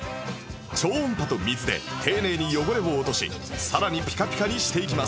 超音波と水で丁寧に汚れを落としさらにピカピカにしていきます